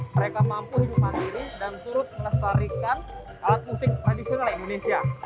mereka mampu hidup mandiri dan turut melestarikan alat musik tradisional indonesia